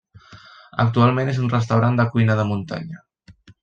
Actualment és un restaurant de cuina de muntanya.